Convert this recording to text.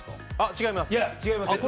違います。